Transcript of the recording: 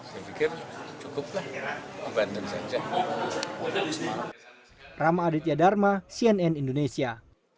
saya pikir cukup lah di banten saja